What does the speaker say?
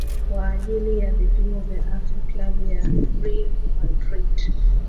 kwa ajili ya vipimo vya afya klabu ya real de madrid